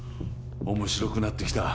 面白くなってきた。